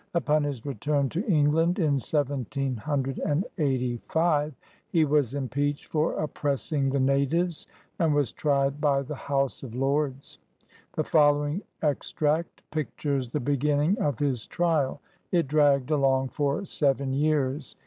Upon his return to England in 1785, he was impeached for oppressing the natives, and was tried by the House of Lords. The following extract pictures the beginning of his trial. It dragged along for seven years.